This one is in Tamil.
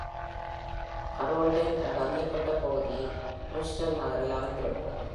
க்ரோய்டன் என்றறியப்பட்ட பகுதி, பிரிஸ்டல் நகரில் அமைந்திருக்கிறது.